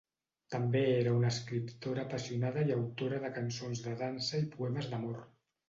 També era una escriptora apassionada i autora de cançons de dansa i poemes d'amor.